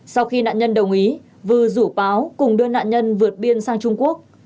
sau khi nạn nhân đồng ý vư rủ báo cùng đưa nạn nhân vượt biên sang trung quốc